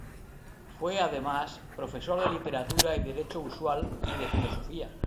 Fue, además, profesor de Literatura y Derecho Usual, y de Filosofía.